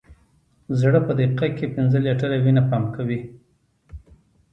زړه په دقیقه کې پنځه لیټره وینه پمپ کوي.